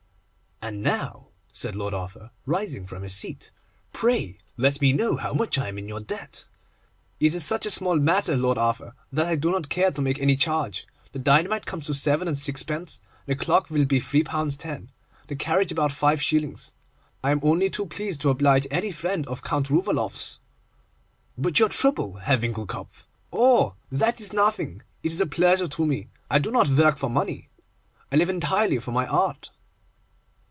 'And now,' said Lord Arthur, rising from his seat, 'pray let me know how much I am in your debt.' 'It is such a small matter, Lord Arthur, that I do not care to make any charge. The dynamite comes to seven and sixpence, the clock will be three pounds ten, and the carriage about five shillings. I am only too pleased to oblige any friend of Count Rouvaloff's.' 'But your trouble, Herr Winckelkopf?' 'Oh, that is nothing! It is a pleasure to me. I do not work for money; I live entirely for my art.